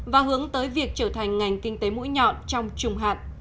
và hướng tới việc trở thành ngành kinh tế mũi nhọn trong trùng hạn